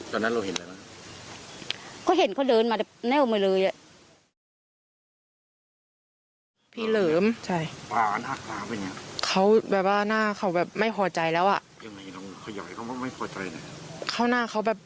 ตอนนั้นเราเห็นแล้วนะครับ